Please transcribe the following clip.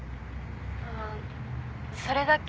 あそれだけ？